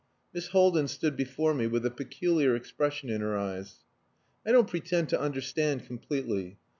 Miss Haldin stood before me with a peculiar expression in her eyes. "I don't pretend to understand completely.